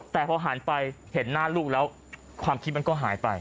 แต่พอหันไปเห็นหน้าลูกแล้วความคิดมันก็หายไป